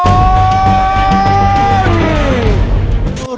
ร้องได้ให้ร้าง